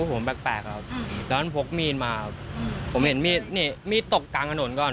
ผมแปลกครับแล้วมันพกมีดมาครับผมเห็นมีดนี่มีดตกกลางถนนก่อน